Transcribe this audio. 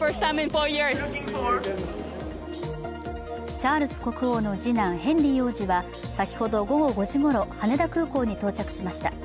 チャールズ国王の次男、ヘンリー王子は先ほど午後５時ごろ羽田空港に到着しました。